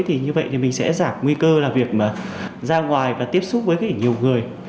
thì như vậy mình sẽ giảm nguy cơ việc ra ngoài và tiếp xúc với nhiều người